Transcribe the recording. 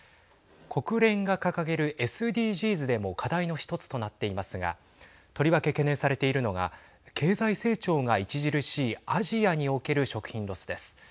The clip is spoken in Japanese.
国連が掲げるＳＤＧｓでも課題の一つとなっていますがとりわけ懸念されているのが経済成長が著しいアジアにおける食品ロスです。